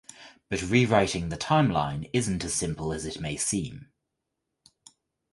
But rewriting the timeline isn’t as simple as it may seem.